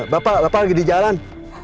bapak bapak lagi di jalan